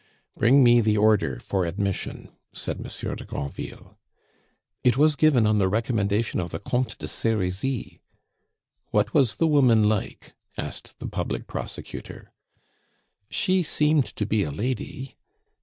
"Bring me the order for admission," said Monsieur de Granville. "It was given on the recommendation of the Comte de Serizy." "What was the woman like?" asked the public prosecutor. "She seemed to be a lady."